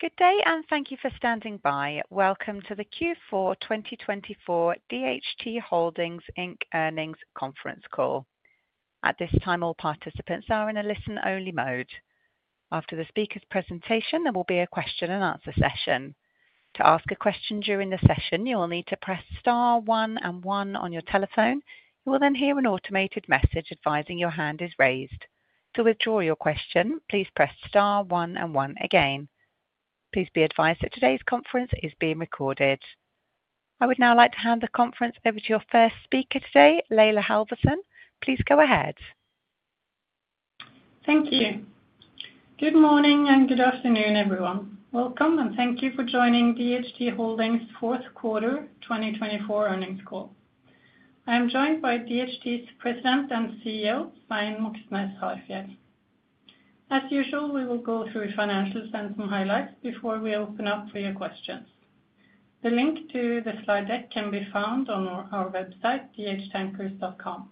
Good day and thank you for standing by. Welcome to the Q4 2024 DHT Holdings Inc. Earnings Conference Call. At this time, all participants are in a listen-only mode. After the speaker's presentation, there will be a question and answer session. To ask a question during the session, you will need to press star one and one on your telephone. You will then hear an automated message advising your hand is raised. To withdraw your question, please press star one and one again. Please be advised that today's conference is being recorded. I would now like to hand the conference over to your first speaker today, Laila Halvorsen. Please go ahead. Thank you. Good morning and good afternoon, everyone. Welcome and thank you for joining DHT Holdings Fourth Quarter 2024 Earnings Call. I am joined by DHT's President and CEO, Svein Moxnes Harfjeld. As usual, we will go through financials and some highlights before we open up for your questions. The link to the slide deck can be found on our website, dhtankers.com.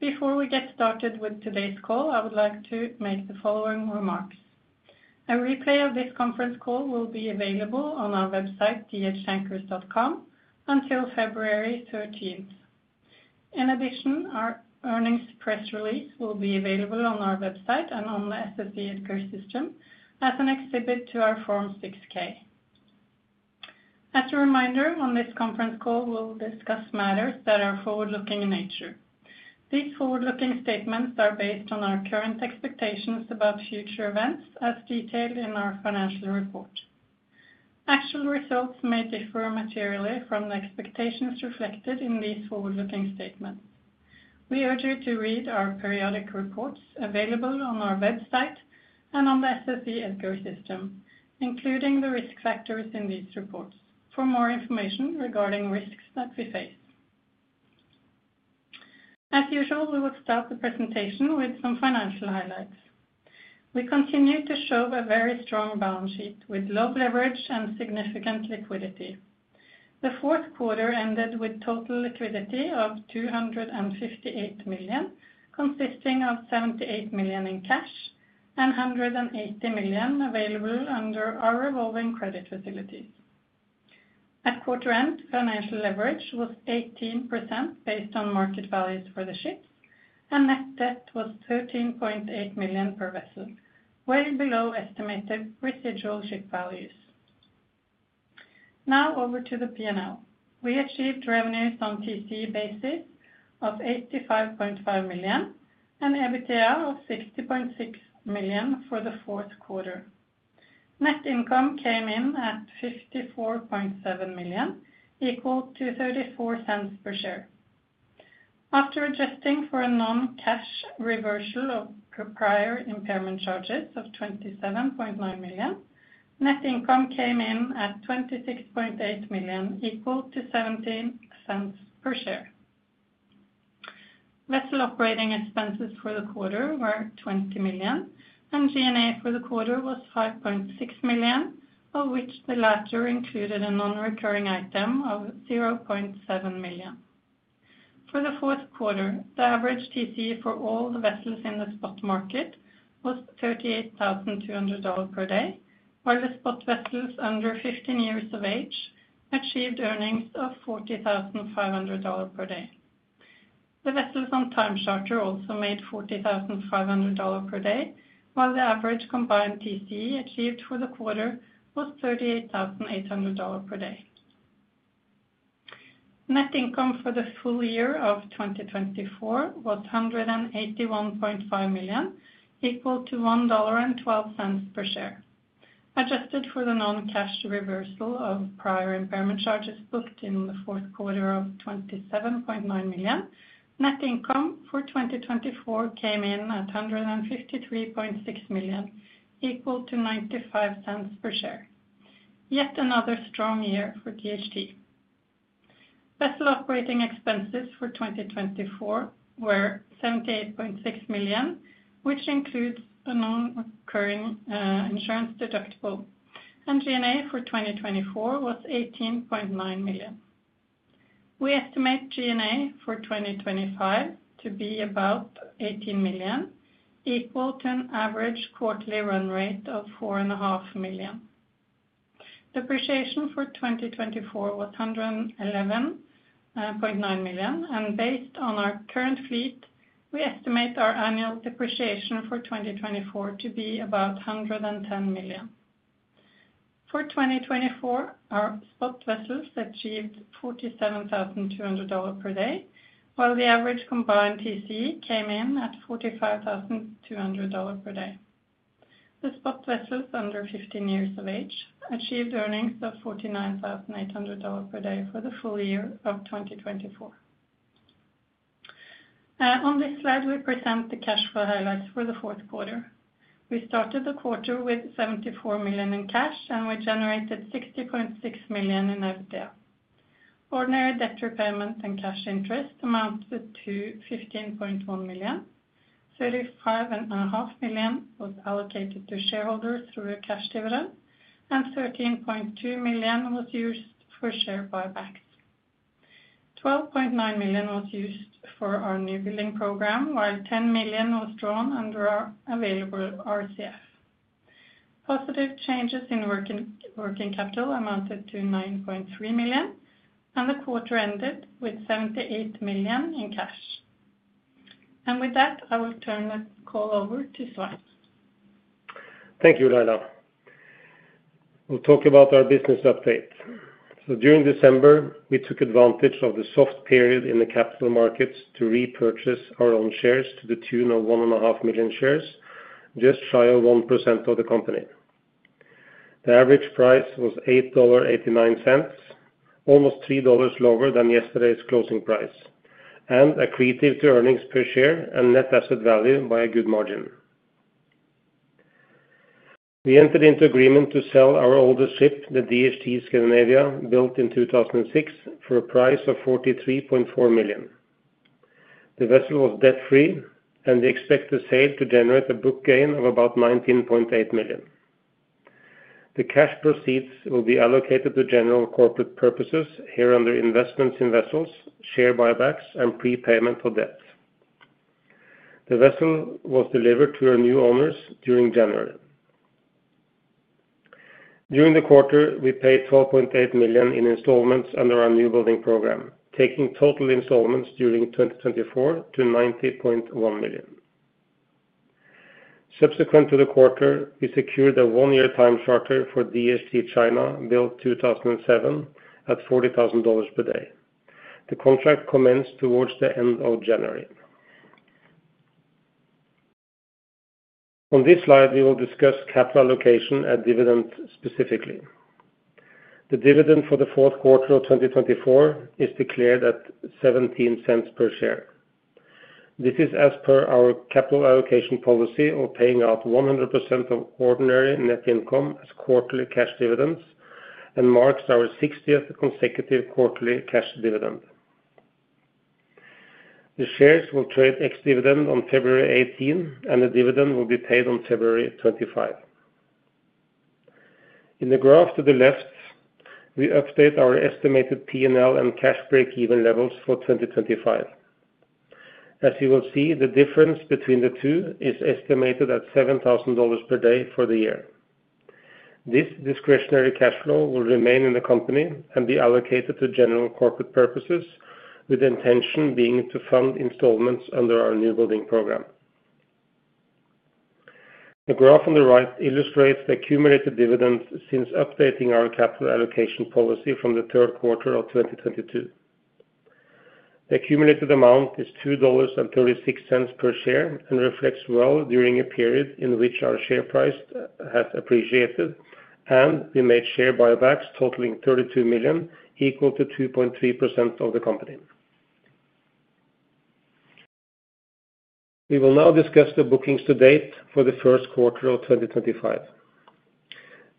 Before we get started with today's call, I would like to make the following remarks. A replay of this conference call will be available on our website, dhtankers.com, until February 13th. In addition, our earnings press release will be available on our website and on the SEC EDGAR system as an exhibit to our Form 6-K. As a reminder, on this conference call, we'll discuss matters that are forward-looking in nature. These forward-looking statements are based on our current expectations about future events, as detailed in our financial report. Actual results may differ materially from the expectations reflected in these forward-looking statements. We urge you to read our periodic reports available on our website and on the SEC EDGAR system, including the risk factors in these reports, for more information regarding risks that we face. As usual, we will start the presentation with some financial highlights. We continue to show a very strong balance sheet with low leverage and significant liquidity. The fourth quarter ended with total liquidity of $258 million, consisting of $78 million in cash and $180 million available under our revolving credit facilities. At quarter end, financial leverage was 18% based on market values for the ship, and net debt was $13.8 million per vessel, well below estimated residual ship values. Now over to the P&L. We achieved revenues on TC basis of $85.5 million and EBITDA of $60.6 million for the fourth quarter. Net income came in at $54.7 million, equal to $0.34 per share. After adjusting for a non-cash reversal of prior impairment charges of $27.9 million, net income came in at $26.8 million, equal to $0.17 per share. Vessel operating expenses for the quarter were $20 million, and G&A for the quarter was $5.6 million, of which the latter included a non-recurring item of $0.7 million. For the fourth quarter, the average TC for all the vessels in the spot market was $38,200 per day, while the spot vessels under 15 years of age achieved earnings of $40,500 per day. The vessels on time charter also made $40,500 per day, while the average combined TC achieved for the quarter was $38,800 per day. Net income for the full year of 2024 was $181.5 million, equal to $1.12 per share. Adjusted for the non-cash reversal of prior impairment charges booked in the fourth quarter of $27.9 million, net income for 2024 came in at $153.6 million, equal to $0.95 per share. Yet another strong year for DHT. Vessel operating expenses for 2024 were $78.6 million, which includes a non-recurring insurance deductible, and G&A for 2024 was $18.9 million. We estimate G&A for 2025 to be about $18 million, equal to an average quarterly run rate of $4.5 million. Depreciation for 2024 was $111.9 million, and based on our current fleet, we estimate our annual depreciation for 2024 to be about $110 million. For 2024, our spot vessels achieved $47,200 per day, while the average combined TC came in at $45,200 per day. The spot vessels under 15 years of age achieved earnings of $49,800 per day for the full year of 2024. On this slide, we present the cash flow highlights for the fourth quarter. We started the quarter with $74 million in cash, and we generated $60.6 million in EBITDA. Ordinary debt repayment and cash interest amounted to $15.1 million. $35.5 million was allocated to shareholders through a cash dividend, and $13.2 million was used for share buybacks. $12.9 million was used for our newbuilding program, while $10 million was drawn under our available RCF. Positive changes in working capital amounted to $9.3 million, and the quarter ended with $78 million in cash. With that, I will turn the call over to Svein. Thank you, Laila. We'll talk about our business update. So during December, we took advantage of the soft period in the capital markets to repurchase our own shares to the tune of $1.5 million shares, just shy of 1% of the company. The average price was $8.89, almost $3 lower than yesterday's closing price, and accretive to earnings per share and net asset value by a good margin. We entered into an agreement to sell our oldest ship, the DHT Scandinavia, built in 2006, for a price of $43.4 million. The vessel was debt-free, and we expect the sale to generate a book gain of about $19.8 million. The cash proceeds will be allocated to general corporate purposes such as investments in vessels, share buybacks, and prepayment of debt. The vessel was delivered to our new owners during January. During the quarter, we paid $12.8 million in installments under our newbuilding program, taking total installments during 2024 to $90.1 million. Subsequent to the quarter, we secured a one-year time charter for DHT China, built 2007, at $40,000 per day. The contract commenced towards the end of January. On this slide, we will discuss capital allocation and dividend specifically. The dividend for the fourth quarter of 2024 is declared at $0.17 per share. This is as per our capital allocation policy, paying out 100% of ordinary net income as quarterly cash dividends and marks our 60th consecutive quarterly cash dividend. The shares will trade ex-dividend on February 18, and the dividend will be paid on February 25. In the graph to the left, we update our estimated P&L and cash break-even levels for 2025. As you will see, the difference between the two is estimated at $7,000 per day for the year. This discretionary cash flow will remain in the company and be allocated to general corporate purposes, with the intention being to fund installments under our newbuilding program. The graph on the right illustrates the accumulated dividend since updating our capital allocation policy from the third quarter of 2022. The accumulated amount is $2.36 per share and reflects well during a period in which our share price has appreciated, and we made share buybacks totaling 32 million, equal to 2.3% of the company. We will now discuss the bookings to date for the first quarter of 2025.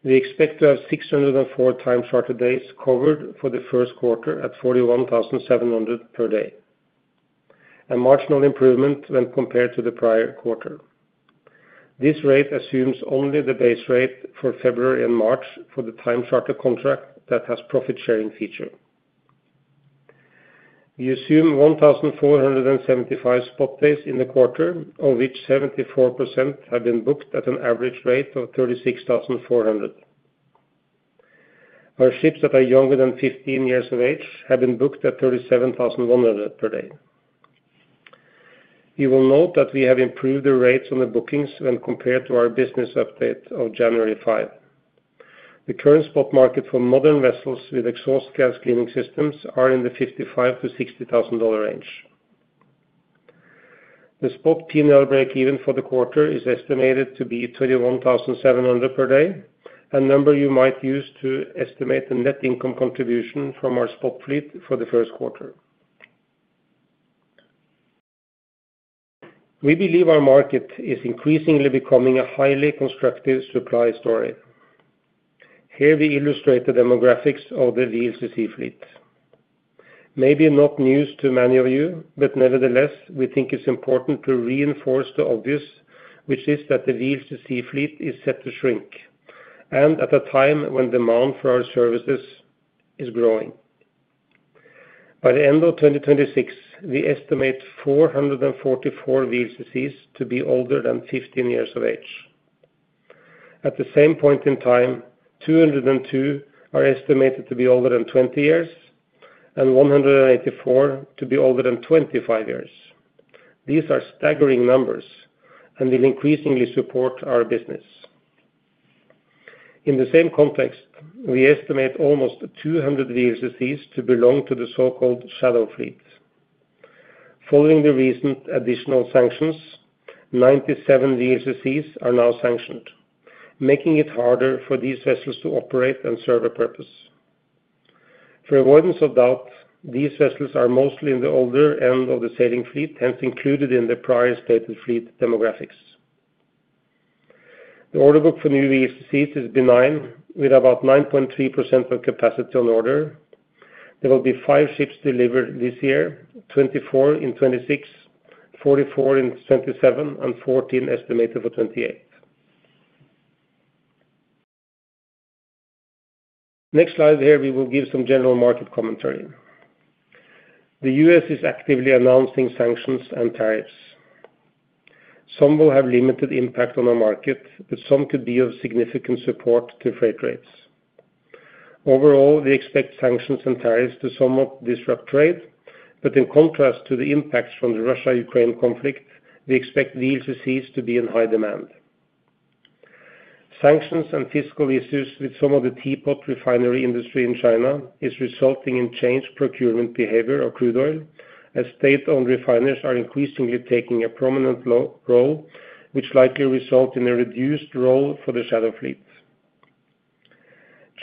We expect to have 604 time charter days covered for the first quarter at $41,700 per day, a marginal improvement when compared to the prior quarter. This rate assumes only the base rate for February and March for the time charter contract that has a profit-sharing feature. We assume 1,475 spot days in the quarter, of which 74% have been booked at an average rate of $36,400. Our ships that are younger than 15 years of age have been booked at $37,100 per day. You will note that we have improved the rates on the bookings when compared to our business update of January 5. The current spot market for modern vessels with exhaust gas cleaning systems is in the $55,000-$60,000 range. The spot P&L break-even for the quarter is estimated to be $21,700 per day, a number you might use to estimate the net income contribution from our spot fleet for the first quarter. We believe our market is increasingly becoming a highly constructive supply story. Here we illustrate the demographics of the VLCC fleet. Maybe not news to many of you, but nevertheless, we think it's important to reinforce the obvious, which is that the VLCC fleet is set to shrink and at a time when demand for our services is growing. By the end of 2026, we estimate 444 VLCCs to be older than 15 years of age. At the same point in time, 202 are estimated to be older than 20 years and 184 to be older than 25 years. These are staggering numbers and will increasingly support our business. In the same context, we estimate almost 200 VLCCs to belong to the so-called shadow fleet. Following the recent additional sanctions, 97 VLCCs are now sanctioned, making it harder for these vessels to operate and serve a purpose. For avoidance of doubt, these vessels are mostly in the older end of the sailing fleet, hence included in the prior stated fleet demographics. The order book for new VLCCs is benign, with about 9.3% of capacity on order. There will be five ships delivered this year: 24 in 2026, 44 in 2027, and 14 estimated for 2028. Next slide here, we will give some general market commentary. The U.S. is actively announcing sanctions and tariffs. Some will have limited impact on our market, but some could be of significant support to freight rates. Overall, we expect sanctions and tariffs to somewhat disrupt trade, but in contrast to the impacts from the Russia-Ukraine conflict, we expect VLCCs to be in high demand. Sanctions and fiscal issues with some of the teapot refinery industry in China are resulting in changed procurement behavior of crude oil, as state-owned refiners are increasingly taking a prominent role, which likely results in a reduced role for the shadow fleet.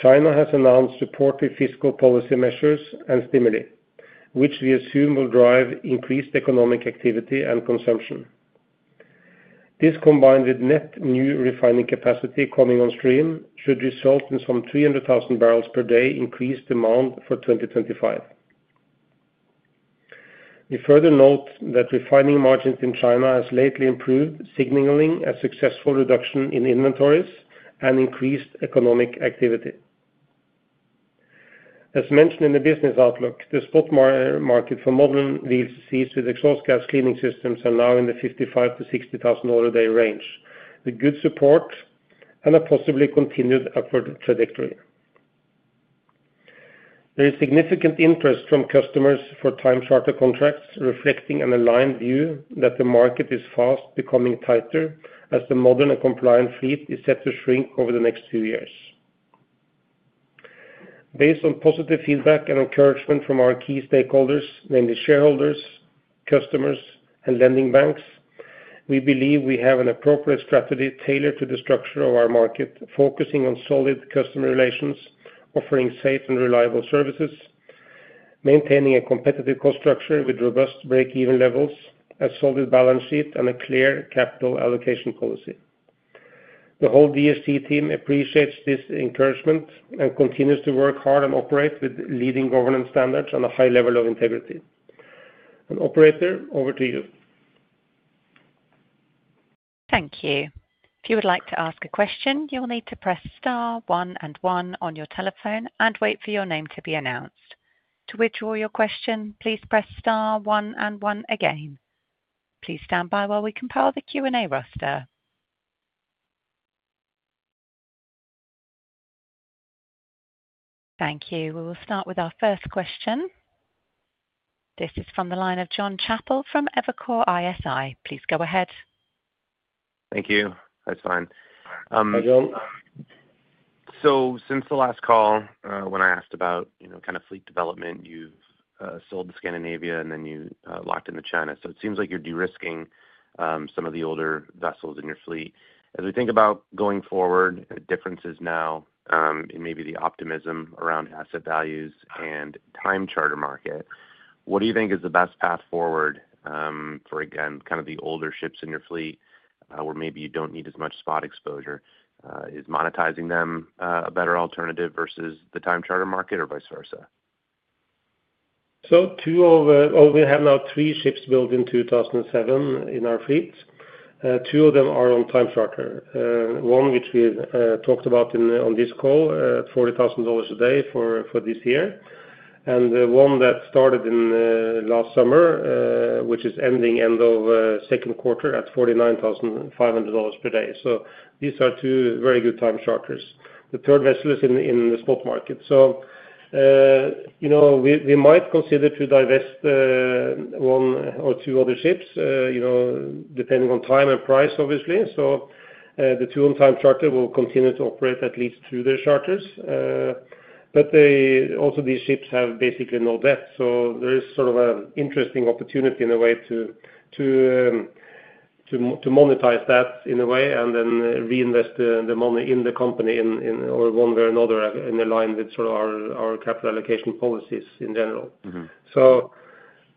China has announced supportive fiscal policy measures and stimuli, which we assume will drive increased economic activity and consumption. This, combined with net new refining capacity coming on stream, should result in some 300,000 barrels per day increased demand for 2025. We further note that refining margins in China have lately improved, signaling a successful reduction in inventories and increased economic activity. As mentioned in the business outlook, the spot market for modern VLCCs with exhaust gas cleaning systems is now in the $55,000-$60,000 a day range, with good support and a possibly continued upward trajectory. There is significant interest from customers for time charter contracts, reflecting an aligned view that the market is fast becoming tighter as the modern and compliant fleet is set to shrink over the next few years. Based on positive feedback and encouragement from our key stakeholders, namely shareholders, customers, and lending banks, we believe we have an appropriate strategy tailored to the structure of our market, focusing on solid customer relations, offering safe and reliable services, maintaining a competitive cost structure with robust break-even levels, a solid balance sheet, and a clear capital allocation policy. The whole DHT team appreciates this encouragement and continues to work hard and operate with leading governance standards and a high level of integrity. And operator, over to you. Thank you. If you would like to ask a question, you'll need to press star, one, and one on your telephone and wait for your name to be announced. To withdraw your question, please press star, one, and one again. Please stand by while we compile the Q&A roster. Thank you. We will start with our first question. This is from the line of Jon Chappell from Evercore ISI. Please go ahead. Thank you. That's fine. Hi, Jon. So since the last call, when I asked about kind of fleet development, you've sold the DHT Scandinavia and then you locked in the DHT China. So it seems like you're de-risking some of the older vessels in your fleet. As we think about going forward, differences now in maybe the optimism around asset values and time charter market, what do you think is the best path forward for, again, kind of the older ships in your fleet where maybe you don't need as much spot exposure? Is monetizing them a better alternative versus the time charter market or vice versa? Well, we have now three ships built in 2007 in our fleet. Two of them are on time charter. One which we talked about on this call, $40,000 a day for this year, and one that started last summer, which is ending end of second quarter at $49,500 per day. So these are two very good time charters. The third vessel is in the spot market. So we might consider to divest one or two other ships, depending on time and price, obviously. So the two on time charter will continue to operate at least two of their charters. But also these ships have basically no debt. So there is sort of an interesting opportunity in a way to monetize that in a way and then reinvest the money in the company in one way or another in line with sort of our capital allocation policies in general. So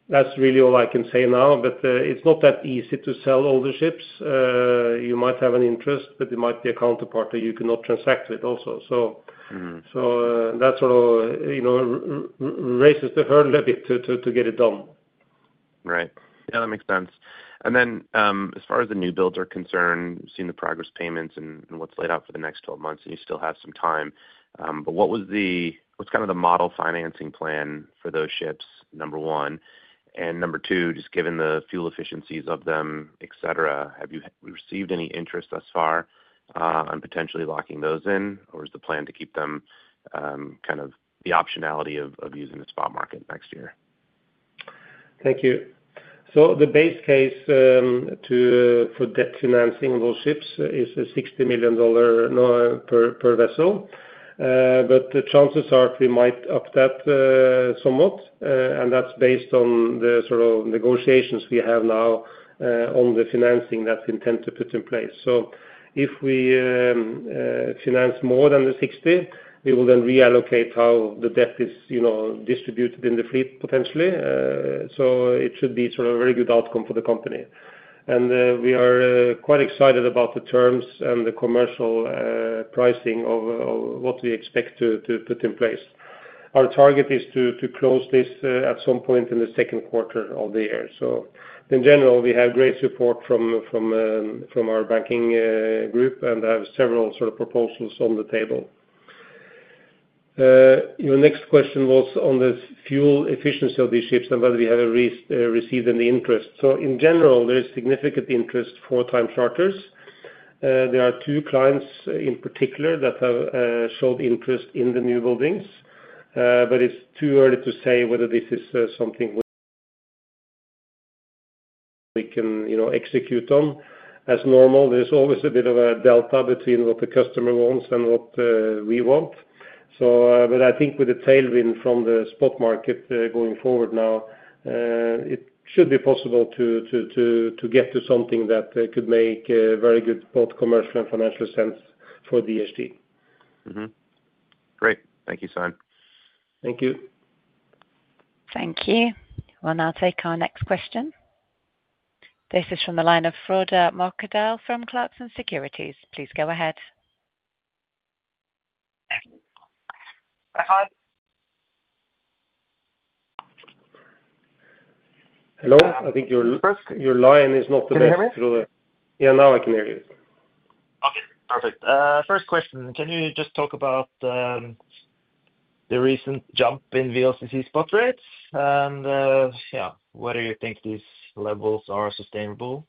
that's really all I can say now, but it's not that easy to sell older ships. You might have an interest, but there might be a counterpart that you cannot transact with also. So that sort of raises the hurdle a bit to get it done. Right. Yeah, that makes sense, and then as far as the new builds are concerned, seeing the progress payments and what's laid out for the next 12 months, and you still have some time, but what was kind of the model financing plan for those ships, number one? And number two, just given the fuel efficiencies of them, et cetera, have you received any interest thus far on potentially locking those in, or is the plan to keep them kind of the optionality of using the spot market next year? Thank you. So the base case for debt financing of those ships is $60 million per vessel, but the chances are we might up that somewhat, and that's based on the sort of negotiations we have now on the financing that's intended to put in place. So if we finance more than the 60, we will then reallocate how the debt is distributed in the fleet potentially. So it should be sort of a very good outcome for the company. And we are quite excited about the terms and the commercial pricing of what we expect to put in place. Our target is to close this at some point in the second quarter of the year. So in general, we have great support from our banking group and have several sort of proposals on the table. Your next question was on the fuel efficiency of these ships and whether we have received any interest. So in general, there is significant interest for time charters. There are two clients in particular that have showed interest in the newbuildings, but it's too early to say whether this is something we can execute on. As normal, there's always a bit of a delta between what the customer wants and what we want. But I think with the tailwind from the spot market going forward now, it should be possible to get to something that could make very good both commercial and financial sense for DHT. Great. Thank you, Svein. Thank you. Thank you. We'll now take our next question. This is from the line of Frode Mørkedal from Clarksons Securities. Please go ahead. Hello. I think your line is not the best. Can you hear me? Yeah, now I can hear you. Okay, perfect. First question, can you just talk about the recent jump in VLCC spot rates, and yeah, whether you think these levels are sustainable,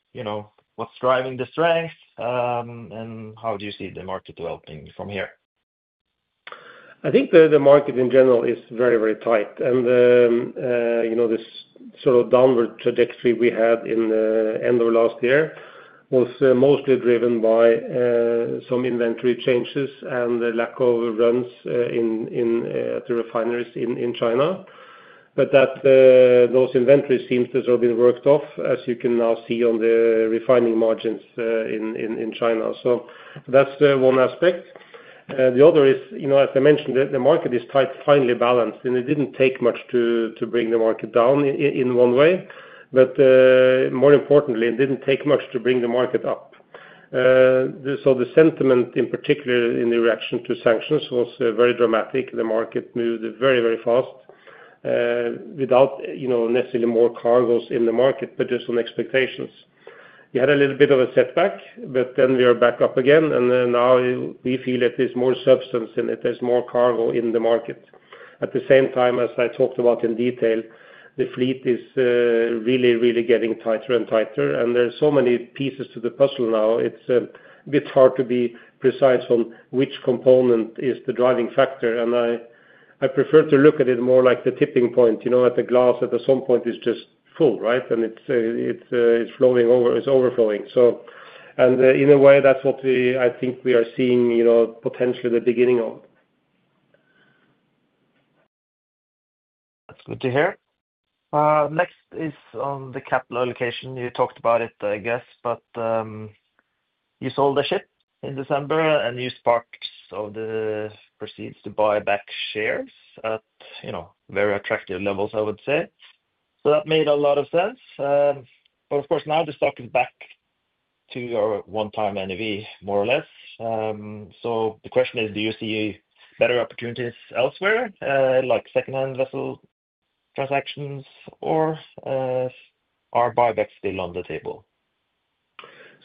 what's driving the strength, and how do you see the market developing from here? I think the market in general is very, very tight, and this sort of downward trajectory we had in the end of last year was mostly driven by some inventory changes and the lack of runs at the refineries in China, but those inventories seem to have been worked off, as you can now see on the refining margins in China, so that's one aspect. The other is, as I mentioned, the market is tight, finely balanced, and it didn't take much to bring the market down in one way, but more importantly, it didn't take much to bring the market up, so the sentiment, in particular in the reaction to sanctions, was very dramatic. The market moved very, very fast without necessarily more cargoes in the market, but just on expectations. We had a little bit of a setback, but then we are back up again, and now we feel that there's more substance and there's more cargo in the market. At the same time, as I talked about in detail, the fleet is really, really getting tighter and tighter, and there are so many pieces to the puzzle now. It's a bit hard to be precise on which component is the driving factor, and I prefer to look at it more like the tipping point, at the glass that at some point is just full, right? And it's overflowing. And in a way, that's what I think we are seeing potentially the beginning of. That's good to hear. Next is on the capital allocation. You talked about it, I guess, but you sold the ship in December, and you parked the proceeds to buy back shares at very attractive levels, I would say. So that made a lot of sense. But of course, now the stock is back to your one-time NAV, more or less. So the question is, do you see better opportunities elsewhere, like second-hand vessel transactions, or are buybacks still on the table?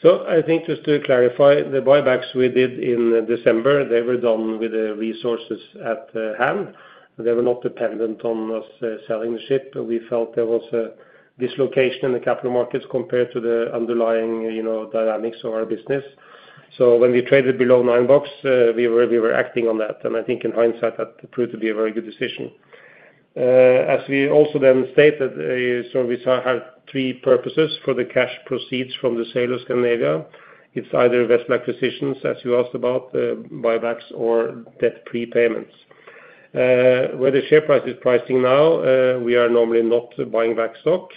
So I think just to clarify, the buybacks we did in December, they were done with the resources at hand. They were not dependent on us selling the ship. We felt there was a dislocation in the capital markets compared to the underlying dynamics of our business. So when we traded below nine bucks, we were acting on that, and I think in hindsight, that proved to be a very good decision. As we also then stated, we have three purposes for the cash proceeds from the sale of Scandinavia. It's either investment acquisitions, as you asked about, buybacks, or debt prepayments. Where the share price is pricing now, we are normally not buying back stock.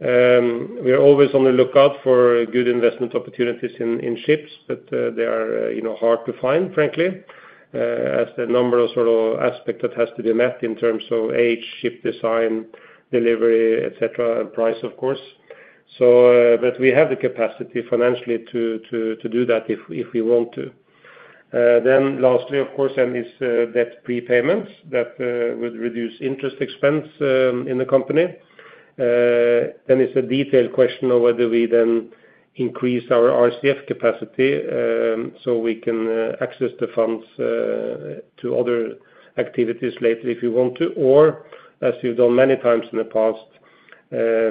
We are always on the lookout for good investment opportunities in ships, but they are hard to find, frankly, as the number of aspects that have to be met in terms of age, ship design, delivery, et cetera, and price, of course, but we have the capacity financially to do that if we want to. Then, lastly, of course, it's debt prepayments that would reduce interest expense in the company. It's a detailed question of whether we then increase our RCF capacity so we can access the funds to other activities later if we want to, or, as we've done many times in the past,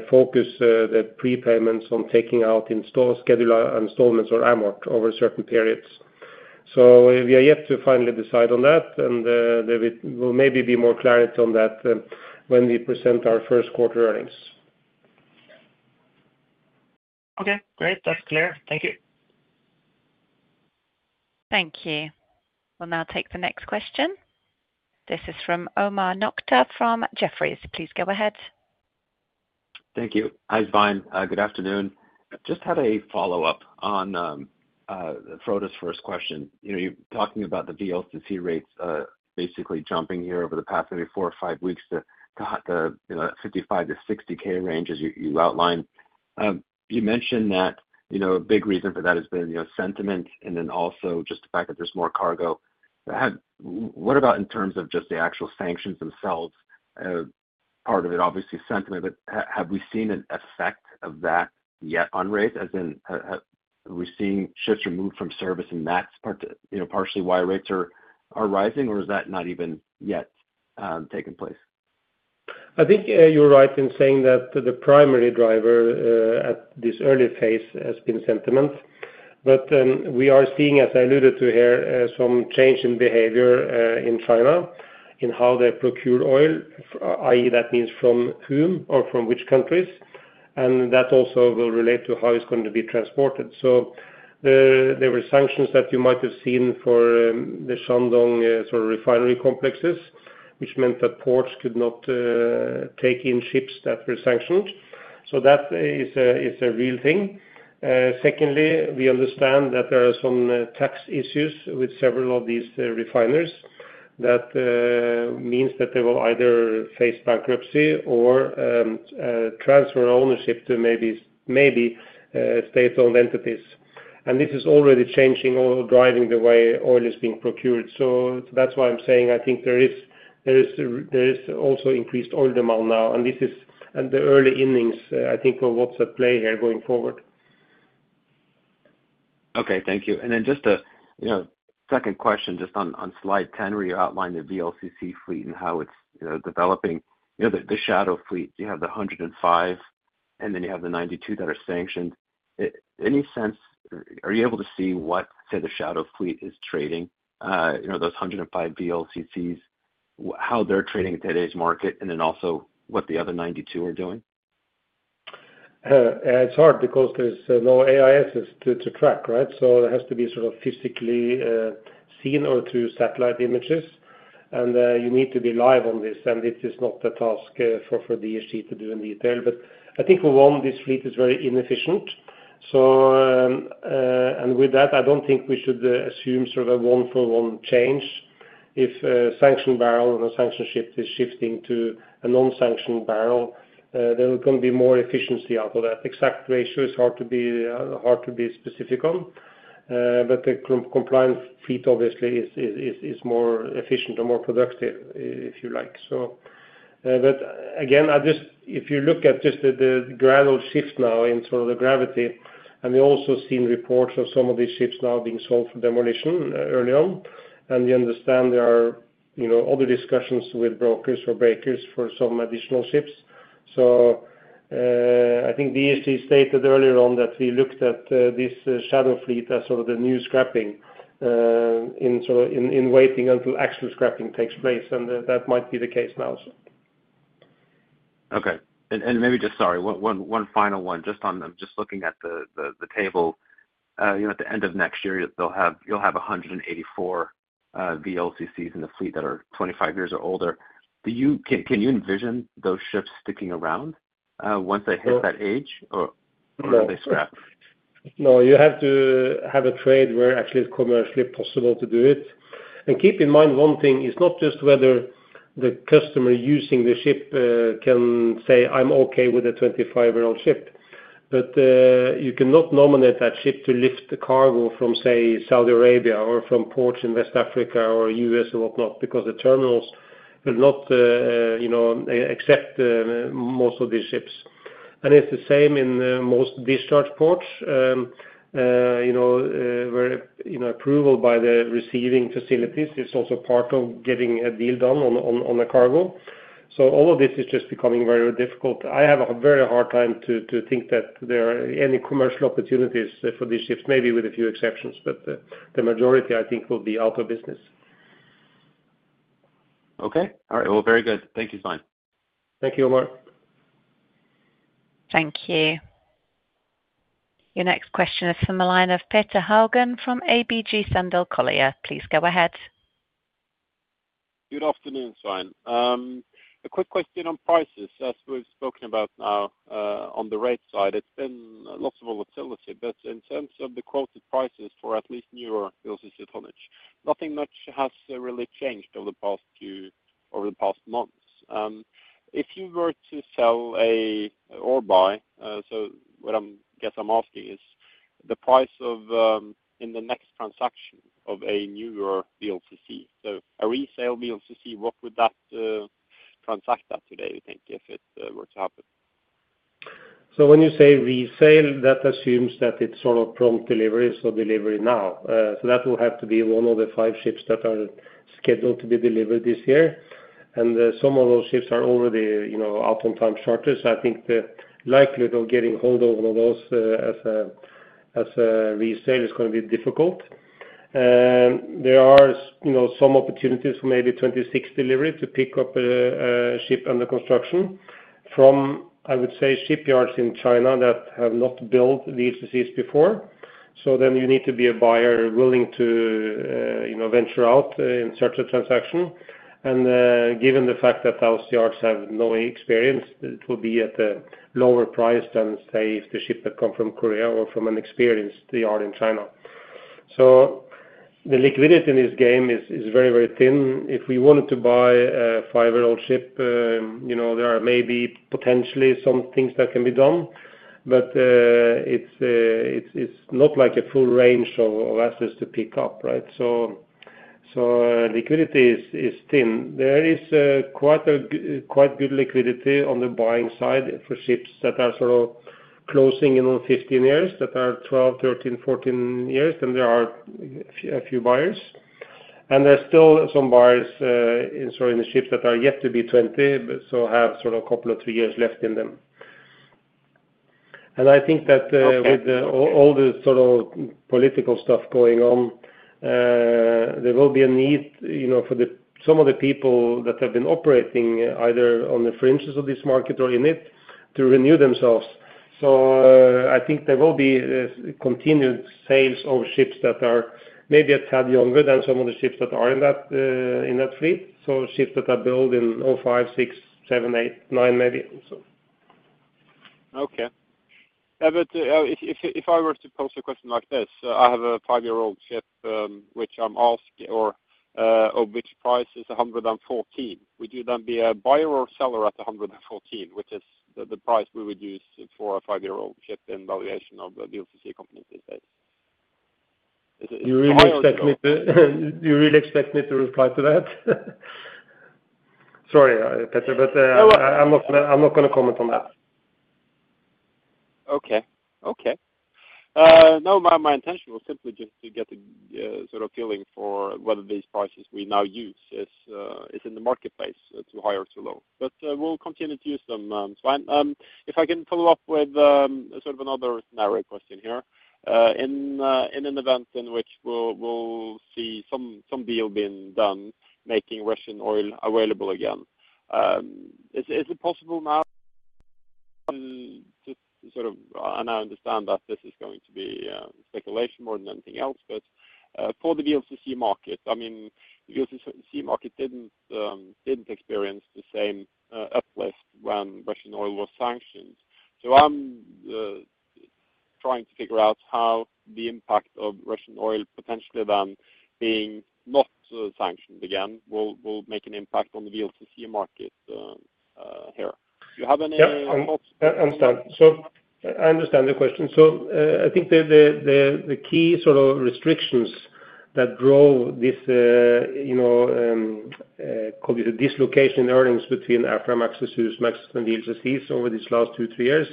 focus the prepayments on taking out the scheduled installments or amort over certain periods, so we are yet to finally decide on that, and there will maybe be more clarity on that when we present our first quarter earnings. Okay, great. That's clear. Thank you. Thank you. We'll now take the next question. This is from Omar Nokta from Jefferies. Please go ahead. Thank you. Hi, Svein. Good afternoon. Just had a follow-up on Frode's first question. You're talking about the VLCC rates basically jumping here over the past maybe four or five weeks to the 55k-60K range as you outlined. You mentioned that a big reason for that has been sentiment and then also just the fact that there's more cargo. What about in terms of just the actual sanctions themselves? Part of it, obviously, is sentiment, but have we seen an effect of that yet on rates? As in, are we seeing ships removed from service and that's partially why rates are rising, or is that not even yet taking place? I think you're right in saying that the primary driver at this early phase has been sentiment. But we are seeing, as I alluded to here, some change in behavior in China in how they procure oil, i.e., that means from whom or from which countries. And that also will relate to how it's going to be transported. So there were sanctions that you might have seen for the Shandong sort of refinery complexes, which meant that ports could not take in ships that were sanctioned. So that is a real thing. Secondly, we understand that there are some tax issues with several of these refineries that means that they will either face bankruptcy or transfer ownership to maybe state-owned entities. And this is already changing or driving the way oil is being procured. So that's why I'm saying I think there is also increased oil demand now. The early innings, I think, will also play here going forward. Okay, thank you. And then just a second question, just on slide 10, where you outlined the VLCC fleet and how it's developing, the shadow fleet. You have the 105, and then you have the 92 that are sanctioned. Any sense, are you able to see what the shadow fleet is trading, those 105 VLCCs, how they're trading in today's market, and then also what the other 92 are doing? It's hard because there's no AIS to track, right, so it has to be sort of physically seen or through satellite images, and you need to be live on this, and it's just not the task for DHT to do in detail, but I think for one, this fleet is very inefficient, and with that, I don't think we should assume sort of a one-for-one change. If a sanctioned barrel and a sanctioned ship is shifting to a non-sanctioned barrel, there will be more efficiency out of that. Exact ratio is hard to be specific on, but the compliance fleet, obviously, is more efficient and more productive, if you like, but again, if you look at just the gradual shift now in sort of the gravity, and we've also seen reports of some of these ships now being sold for demolition early on. And we understand there are other discussions with brokers or breakers for some additional ships. So I think DHT stated earlier on that we looked at this shadow fleet as sort of the new scrapping in waiting until actual scrapping takes place, and that might be the case now. Okay, and maybe just, sorry, one final one. I'm just looking at the table. At the end of next year, you'll have 184 VLCCs in the fleet that are 25 years or older. Can you envision those ships sticking around once they hit that age, or will they scrap? No, you have to have a trade where actually it's commercially possible to do it. And keep in mind one thing, it's not just whether the customer using the ship can say, "I'm okay with a 25-year-old ship." But you cannot nominate that ship to lift cargo from, say, Saudi Arabia or from ports in West Africa or U.S. or whatnot, because the terminals will not accept most of these ships. And it's the same in most discharge ports where approval by the receiving facilities is also part of getting a deal done on a cargo. So all of this is just becoming very difficult. I have a very hard time to think that there are any commercial opportunities for these ships, maybe with a few exceptions, but the majority, I think, will be out of business. Okay. All right. Well, very good. Thank you, Svein. Thank you, Omar. Thank you. Your next question is from a line of Petter Haugen from ABG Sundal Collier. Please go ahead. Good afternoon, Svein. A quick question on prices. As we've spoken about now on the rate side, it's been lots of volatility, but in terms of the quoted prices for at least newer VLCC tonnage, nothing much has really changed over the past few, over the past months. If you were to sell a or buy, so what I guess I'm asking is the price of in the next transaction of a newer VLCC, a resale VLCC, what would that transact at today, do you think, if it were to happen? So when you say resale, that assumes that it's sort of prompt delivery, so delivery now. So that will have to be one of the five ships that are scheduled to be delivered this year. And some of those ships are already out on time charters. I think the likelihood of getting hold of one of those as a resale is going to be difficult. There are some opportunities for maybe 2026 delivery to pick up a ship under construction from, I would say, shipyards in China that have not built VLCCs before. So then you need to be a buyer willing to venture out in such a transaction. And given the fact that those yards have no experience, it will be at a lower price than, say, if the ship had come from Korea or from an experienced yard in China. So the liquidity in this game is very, very thin. If we wanted to buy a five-year-old ship, there are maybe potentially some things that can be done, but it's not like a full range of assets to pick up, right? So liquidity is thin. There is quite good liquidity on the buying side for ships that are sort of closing in on 15 years, that are 12, 13, 14 years, then there are a few buyers. And there's still some buyers in ships that are yet to be 20, so have sort of a couple of three years left in them. And I think that with all the sort of political stuff going on, there will be a need for some of the people that have been operating either on the fringes of this market or in it to renew themselves. I think there will be continued sales of ships that are maybe a tad younger than some of the ships that are in that fleet, so ships that are built in 2005, 2006, 2007, 2008, 2009, maybe. Okay. If I were to pose a question like this, I have a five-year-old ship, which I'm asked, of which price is 114, would you then be a buyer or seller at 114, which is the price we would use for a five-year-old ship in valuation of the VLCC company these days? You really expect me to reply to that? Sorry, Petter, but I'm not going to comment on that. Okay. Okay. No, my intention was simply just to get a sort of feeling for whether these prices we now use is in the marketplace, too high or too low. But we'll continue to use them, Svein. If I can follow up with sort of another narrow question here. In an event in which we'll see some deal being done making Russian oil available again, is it possible now to sort of, and I understand that this is going to be speculation more than anything else, but for the VLCC market, I mean, the VLCC market didn't experience the same uplift when Russian oil was sanctioned. So I'm trying to figure out how the impact of Russian oil potentially then being not sanctioned again will make an impact on the VLCC market here. Do you have any thoughts? I understand. So I understand the question. So I think the key sort of restrictions that drove this, call it a dislocation in earnings between Aframaxes and VLCCs over these last two, three years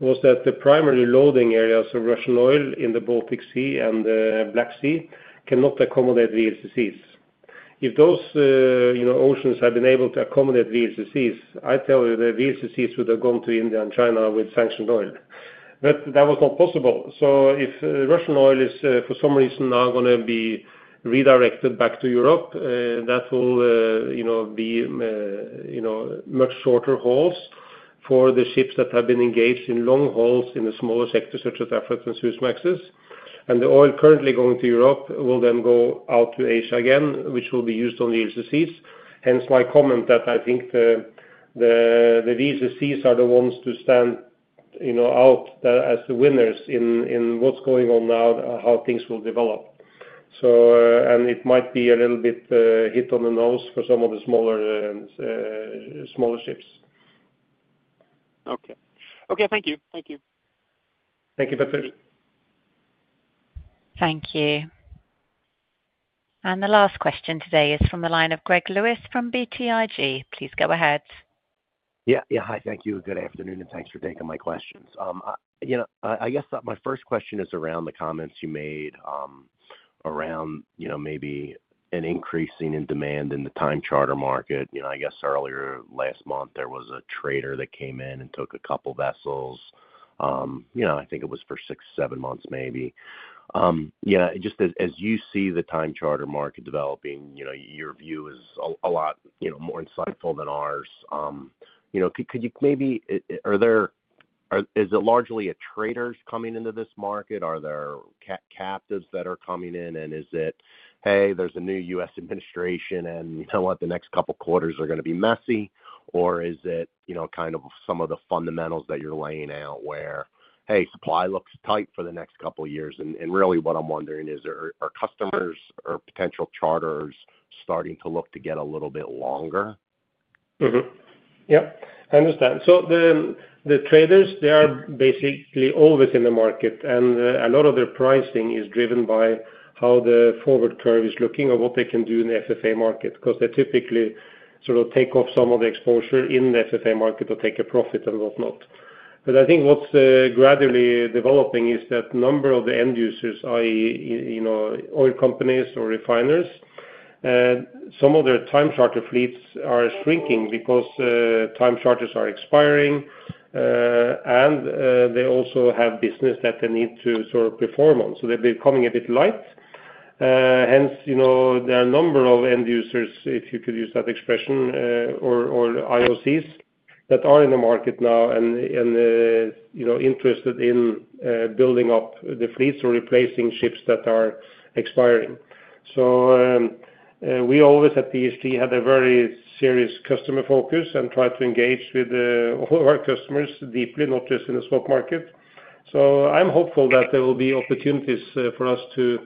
was that the primary loading areas of Russian oil in the Baltic Sea and the Black Sea cannot accommodate VLCCs. If those oceans had been able to accommodate VLCCs, I tell you that VLCCs would have gone to India and China with sanctioned oil. But that was not possible. So if Russian oil is, for some reason, now going to be redirected back to Europe, that will be much shorter hauls for the ships that have been engaged in long hauls in the smaller sectors, such as Aframaxes and VLCCs. And the oil currently going to Europe will then go out to Asia again, which will be used on VLCCs. Hence my comment that I think the VLCCs are the ones to stand out as the winners in what's going on now, how things will develop, and it might be a little bit hit on the nose for some of the smaller ships. Okay. Okay, thank you. Thank you. Thank you, Petter. Thank you. And the last question today is from the line of Greg Lewis from BTIG. Please go ahead. Yeah. Yeah. Hi, thank you. Good afternoon, and thanks for taking my questions. I guess my first question is around the comments you made around maybe an increasing in demand in the time charter market. I guess earlier last month, there was a trader that came in and took a couple of vessels. I think it was for six, seven months maybe. Yeah, just as you see the time charter market developing, your view is a lot more insightful than ours. Could you maybe, is it largely traders coming into this market? Are there captives that are coming in? And is it, hey, there's a new U.S. administration and you know what, the next couple of quarters are going to be messy? Or is it kind of some of the fundamentals that you're laying out where, hey, supply looks tight for the next couple of years? Really what I'm wondering is, are customers or potential charters starting to look to get a little bit longer? Yep. I understand. So the traders, they are basically always in the market. And a lot of their pricing is driven by how the forward curve is looking or what they can do in the FFA market. Because they typically sort of take off some of the exposure in the FFA market or take a profit and whatnot. But I think what's gradually developing is that number of the end users, i.e., oil companies or refiners, some of their time charter fleets are shrinking because time charters are expiring. And they also have business that they need to sort of perform on. So they're becoming a bit light. Hence, the number of end users, if you could use that expression, or IOCs that are in the market now and interested in building up the fleets or replacing ships that are expiring. So we always at DHT had a very serious customer focus and tried to engage with all of our customers deeply, not just in the swap market. So I'm hopeful that there will be opportunities for us to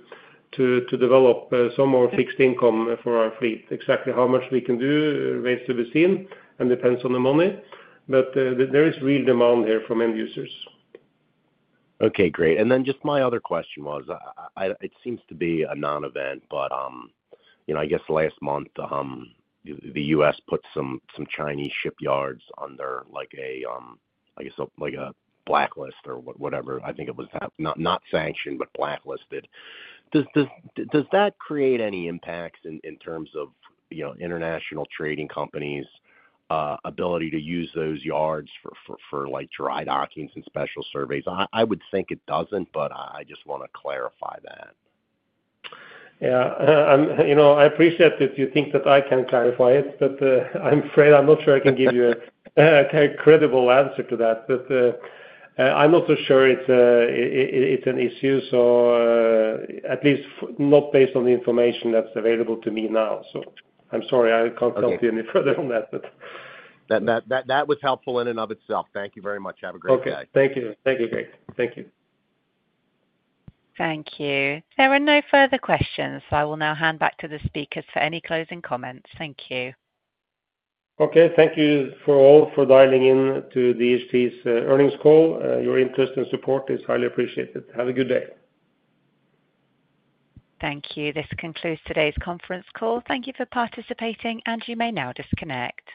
develop some more fixed income for our fleet. Exactly how much we can do remains to be seen and depends on the money. But there is real demand here from end users. Okay, great. And then just my other question was, it seems to be a non-event, but I guess last month, the U.S. put some Chinese shipyards under a, I guess, like a blacklist or whatever. I think it was not sanctioned, but blacklisted. Does that create any impacts in terms of international trading companies' ability to use those yards for dry dockings and special surveys? I would think it doesn't, but I just want to clarify that. Yeah. I appreciate that you think that I can clarify it, but I'm afraid I'm not sure I can give you a credible answer to that. But I'm not so sure it's an issue, so at least not based on the information that's available to me now. So I'm sorry, I can't help you any further on that. That was helpful in and of itself. Thank you very much. Have a great day. Okay. Thank you. Thank you. Thank you. Thank you. There are no further questions. I will now hand back to the speakers for any closing comments. Thank you. Okay. Thank you all for dialing in to DHT's earnings call. Your interest and support is highly appreciated. Have a good day. Thank you. This concludes today's conference call. Thank you for participating, and you may now disconnect.